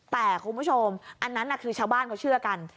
แต่คุณผู้ชมอันนั้นคือชาวบ้านเขาเชื่อกัน